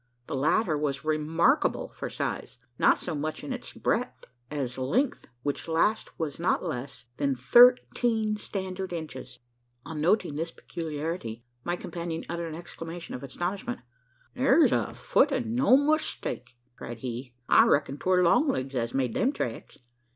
The latter was remarkable for size not so much in its breadth as length, which last was not less than thirteen standard inches! On noting this peculiarity, my companion uttered an exclamation of astonishment. "Thar's a fut, an' no mistake!" cried he. "I reck'n 'twar Long legs as made them tracks.